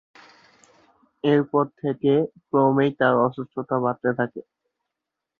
এরপর থেকে ক্রমেই তাঁর অসুস্থতা বাড়তে থাকে।